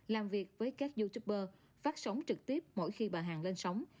làm việc với các youtuber phát sóng trực tiếp mỗi khi bà hàng lên sóng